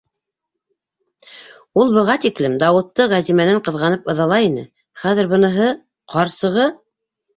Ул быға тиклем Дауытты Ғәзимәнән ҡыҙғанып ыҙалай ине, хәҙер быныһы... ҡарсығы...